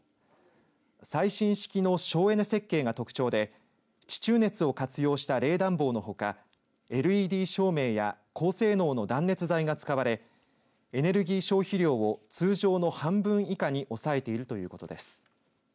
最新式の省エネ設計が特徴で地中熱を活用した冷暖房のほかＬＥＤ照明や高性能の断熱材が使われエネルギー消費量を通常の半分以下に抑えているということです。